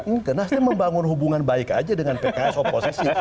ngasdem membangun hubungan baik aja dengan pks oposisi